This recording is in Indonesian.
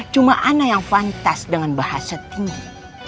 cuma anak yang fantas dengan bahasa tinggi